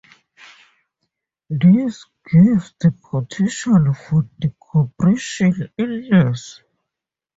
This gives the potential for decompression illness.